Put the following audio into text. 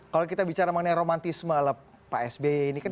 kalau kita bicara mengenai romantisme ala pak sby ini kan